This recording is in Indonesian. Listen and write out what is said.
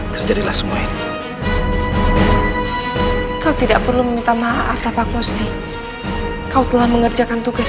terjadilah semua ini kau tidak perlu meminta maaf tanpa kosdi kau telah mengerjakan tugas